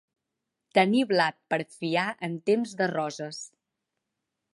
Tenir blat per fiar en temps de roses.